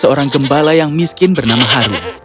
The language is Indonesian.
seorang gembala yang miskin bernama harun